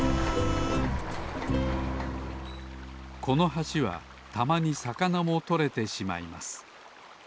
この橋はたまにさかなもとれてしまいます。